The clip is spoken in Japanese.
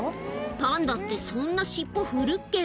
パンダってそんな尻尾振るっけ？